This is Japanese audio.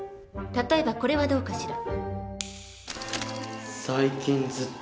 例えばこれはどうかしら。